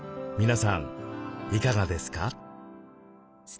皆さんいかがですか？